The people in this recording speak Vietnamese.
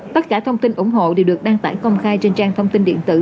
tất cả thông tin ủng hộ đều được đăng tải công khai trên trang thông tin điện tử